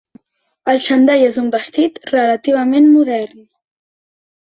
El xandall és un vestit relativament modern.